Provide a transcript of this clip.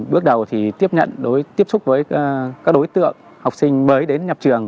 bước đầu thì tiếp nhận tiếp xúc với các đối tượng học sinh mới đến nhập trường